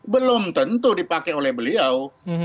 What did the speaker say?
belum tentu dipakai oleh beliau